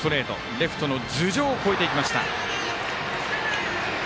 レフトの頭上を越えていきました。